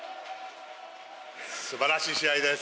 すばらしい試合です。